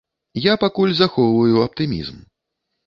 Я пакуль захоўваю аптымізм.